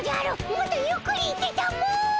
もっとゆっくり行ってたも！